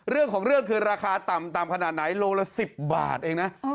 เรื่องของเรื่องคือราคาต่ำขนาดไหนโลละ๑๐บาทเองนะ